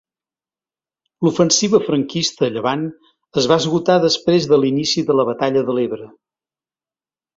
L'ofensiva franquista a Llevant es va esgotar després de l'inici de la batalla de l'Ebre.